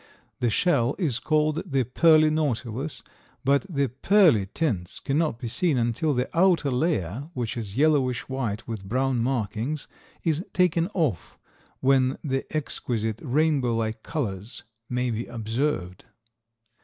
The shell is called the "Pearly Nautilus," but the pearly tints cannot be seen until the outer layer—which is yellowish white with brown markings—is taken off, when the exquisite, rainbow like colors may be observed.